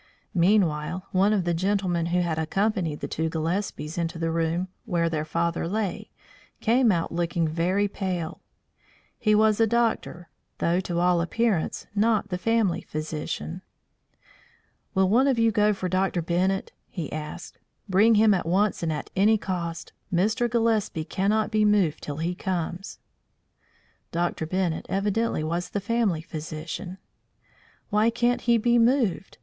Meanwhile one of the gentlemen who had accompanied the two Gillespies into the room where their father lay, came out looking very pale. He was a doctor, though to all appearance not the family physician. "Will one of you go for Dr. Bennett?" he asked. "Bring him at once and at any cost; Mr. Gillespie cannot be moved till he comes." Dr. Bennett evidently was the family physician. "Why can't he be moved?"